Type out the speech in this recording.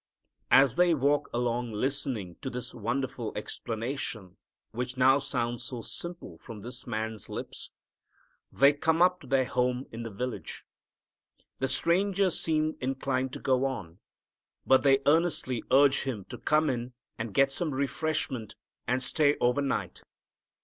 As they walk along listening to this wonderful explanation, which now sounds so simple from this Man's lips, they come up to their home in the village. The Stranger seemed inclined to go on. But they earnestly urge Him to come in and get some refreshment and stay over night.